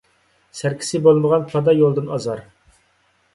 سەركىسى بولمىغان پادا يولدىن ئازار.